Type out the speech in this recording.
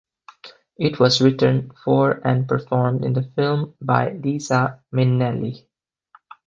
It was written for and performed in the film by Liza Minnelli.